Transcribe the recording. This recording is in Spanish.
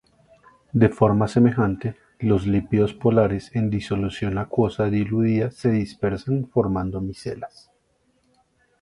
De forma semejante, los lípidos polares en disolución acuosa diluida se dispersan formando micelas.